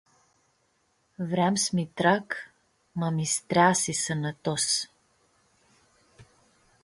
Vream s-mi trag, ma mi-streasi sãnãtos.